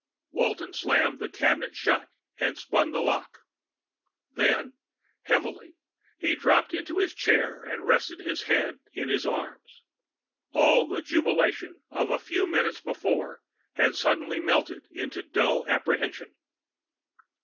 Walton slammed the cabinet shut and spun the lock. Then, heavily, he dropped into his chair and rested his head in his arms. All the jubilation of a few moments before had suddenly melted into dull apprehension.